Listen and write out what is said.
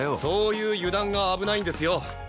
そういう油断が危ないんですよ。